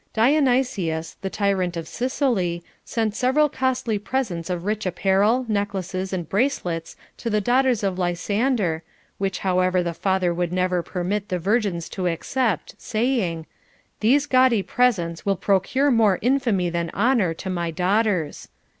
Dionysius, the tyrant of Sicily, sent several costly presents of rich apparel, necklaces, and bracelets to the daughters of Lysander, which however the father woidd never permit the virgins to accept, saying : These gaudy presents will procure more infamy than honor to my daughters.